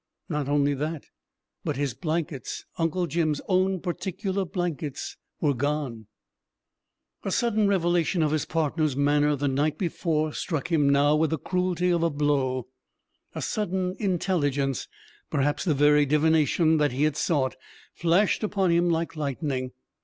Not only that, but his blankets Uncle Jim's own particular blankets were gone! A sudden revelation of his partner's manner the night before struck him now with the cruelty of a blow; a sudden intelligence, perhaps the very divination he had sought, flashed upon him like lightning!